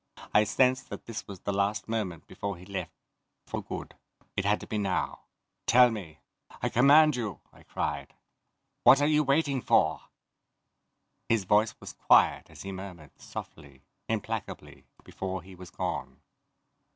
I sensed that this was the last moment before he left for good. It had to be now! "Tell me. I command you," I cried. "What are you waiting for?" His voice was quiet as he murmured, softly, implacably, before he was gone.